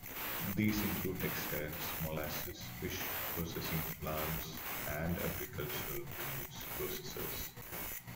These include textiles, molasses, fish processing plants and agricultural produce processors.